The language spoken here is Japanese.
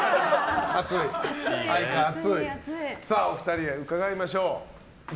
お二人へ伺いましょう。